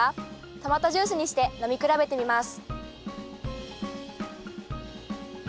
トマトジュースにして飲み比べてみます。